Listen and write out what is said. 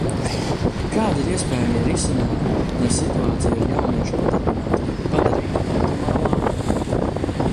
Kādi ir iespējamie risinājumi, lai situāciju ar jauniešu nodarbinātību padarītu optimālāku?